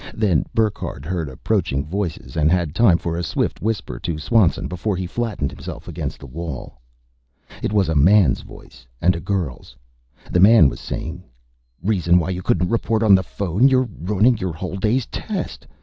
Then Burckhardt heard approaching voices and had time for a swift whisper to Swanson before he flattened himself against the wall. It was a man's voice, and a girl's. The man was saying, " reason why you couldn't report on the phone? You're ruining your whole day's test!